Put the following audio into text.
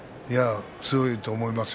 強いと思いますよ